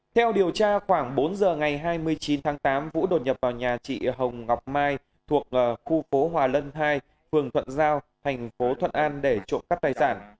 theo điều tra khoảng bốn giờ ngày hai mươi chín tháng tám vũ đột nhập vào nhà chị hồng ngọc mai thuộc khu phố hòa lân hai phường thuận giao thành phố thuận an để trộm cắp tài sản